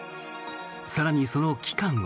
更にその期間は。